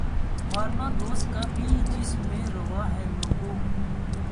مارنا دوست کا بھی جس میں روا ہے لوگو